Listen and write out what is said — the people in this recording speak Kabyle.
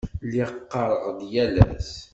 Lliɣ ɣɣareɣ-d yal ass.